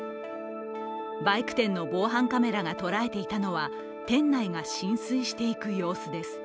バイク店の防犯カメラが捉えていたのは店内が浸水していく様子です。